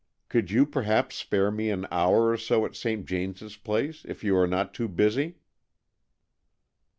Could you perhaps spare me an hour or so at St. James's Place, if you are not to© busy?"